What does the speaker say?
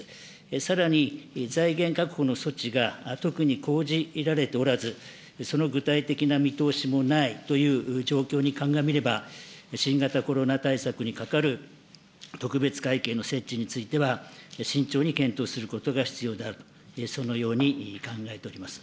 さらに財源確保の措置が特に講じられておらず、その具体的な見通しもないという状況にかんがみれば、新型コロナ対策にかかる特別会計の設置については、慎重に検討することが必要であると、そのように考えております。